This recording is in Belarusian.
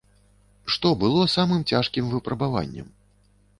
Што было самым цяжкім выпрабаваннем?